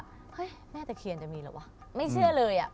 เฮ้ยแม่ตะเคียนจะมีเหรอวะไม่เชื่อเลยอ่ะ